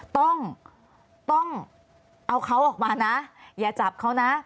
ต้องต้องเอาเขาออกมานะอย่าจับเขานะ